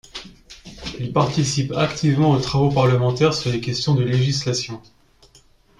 Il participe activement aux travaux parlementaires sur les questions de législation.